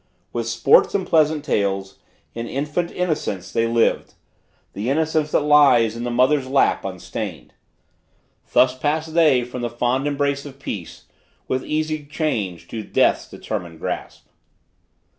With sports And pleasant tales, in infant innocence they lived (The innocence that lies in mother's lap unstained.) Thus passed they from the fond embrace of peace, With easy change to Death's determined grasp.